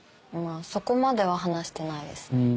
そこまでは話してないですね。